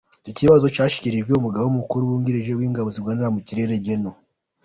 Icyo kibazo cyashyikirijwe Umugaba Mukuru wungirije w’Ingabo zirwanira mu kirere, Gen.